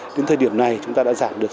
đến thời điểm này chúng ta đã giảm được